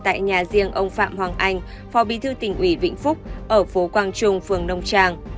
tại nhà riêng ông phạm hoàng anh phò bi thư tỉnh nguyễn vĩnh phúc ở phố quang trung phường nông trang